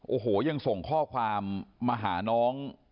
โอ้โหยังส่งข้อความมาหาน้อง